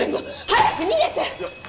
早く逃げて！